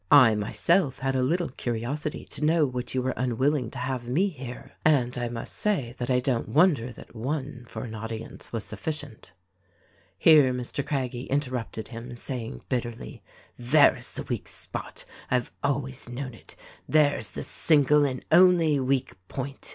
I myself had a little curiosity to know what you were unwilling to have me hear — and I must say that I don't wonder that one for an audience was sufficient." Here Mr. Craggie interrupted him, saying bitterly, "There is the weak spot. I have always known it — there's the single and only weak point